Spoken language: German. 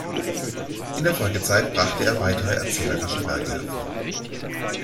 In der Folgezeit brachte er weitere erzählerische Werke hervor.